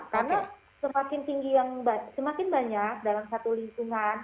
karena semakin tinggi semakin banyak dalam satu lingkungan